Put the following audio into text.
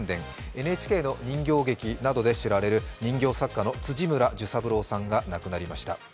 ＮＨＫの人形劇などで知られる人形作家の辻村寿三郎さんが亡くなりました。